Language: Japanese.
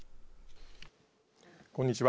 こんにちは。